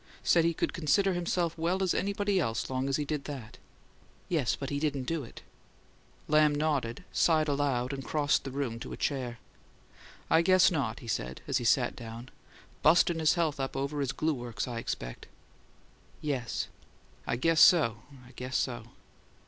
Said he could consider himself well as anybody else long as he did that." "Yes. But he didn't do it!" Lamb nodded, sighed aloud, and crossed the room to a chair. "I guess not," he said, as he sat down. "Bustin' his health up over his glue works, I expect." "Yes." "I guess so; I guess so."